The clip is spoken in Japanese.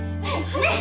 ねっ！